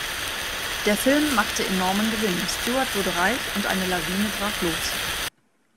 Der Film machte enormen Gewinn, Stewart wurde reich und eine Lawine brach los.